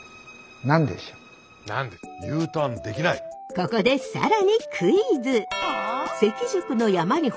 ここで更にクイズ！